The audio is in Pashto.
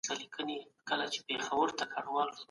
هغه د خپلو سرتېرو هڅونې وکړه.